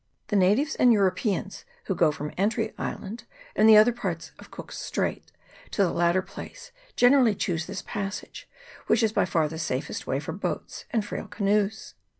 The natives and Europeans, who go from Entry Island and the other parts of Cook's Straits to the latter place, generally choose this passage, which is by far the safest way for boats and frail canoes.